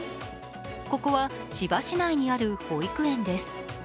ここは千葉市内にある保育園です。